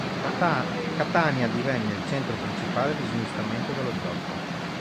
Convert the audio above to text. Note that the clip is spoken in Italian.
Catania divenne il centro principale di smistamento dello zolfo.